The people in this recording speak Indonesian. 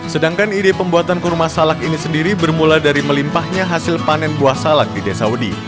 sedangkan ide pembuatan kurma salak ini sendiri bermula dari melimpahnya hasil panen buah salak di desa udi